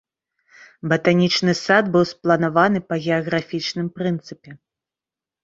Батанічны сад быў спланаваны па геаграфічным прынцыпе.